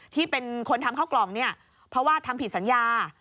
ที่เป็นคนทำเข้ากล่องเนี่ยเพราะว่าทำผิดสัญญา